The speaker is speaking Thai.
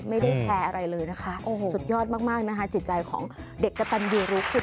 ไม่ได้แท้อะไรเลยนะคะสุดยอดมากจิตใจของเด็กกระตานเยรูขึ้น